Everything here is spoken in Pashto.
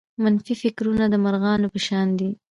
منفي فکرونه د مرغانو په شان دي.